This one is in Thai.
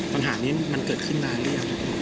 ปัญหานี้มันเกิดขึ้นนานหรือยัง